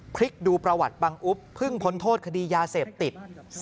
พลิกดูประวัติบังอุ๊บเพิ่งพ้นโทษคดียาเสพติด